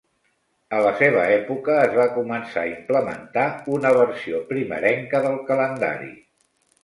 A la seva època, es va començar a implementar una versió primerenca del calendari.